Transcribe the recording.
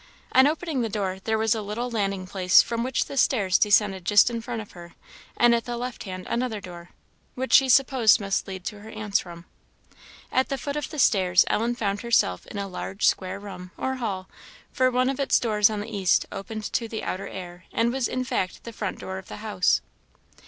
On opening the door, there was a little landing place from which the stairs descended just in front of her and at the left hand another door, which she supposed must lead to her aunt's room. At the foot of the stairs Ellen found herself in a large square room or hall, for one of its doors on the east opened to the outer air, and was in fact the front door of the house.